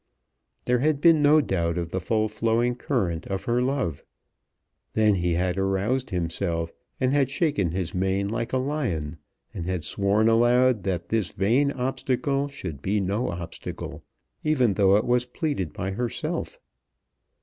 There had been no doubt of the full flowing current of her love. Then he had aroused himself, and had shaken his mane like a lion, and had sworn aloud that this vain obstacle should be no obstacle, even though it was pleaded by herself.